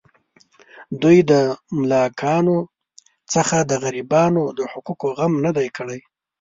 دوی د ملاکانو څخه د غریبانو د حقوقو غم نه دی کړی.